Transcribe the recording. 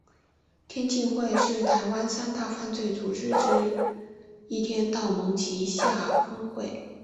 天庆会是台湾三大犯罪组织之一天道盟旗下分会。